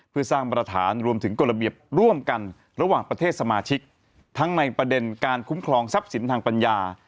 เพื่อสร้างมาตรฐานรวมถึงกฎระเบียบร่วมกันระหว่างประเทศสมาชิกทั้งในประเด็นการคุ้มครองทรัพย์สินทางปัญญา